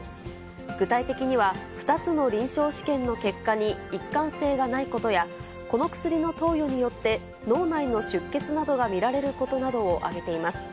具体的には、２つの臨床試験の結果に一貫性がないことや、この薬の投与によって、脳内の出血などが見られることなどを挙げています。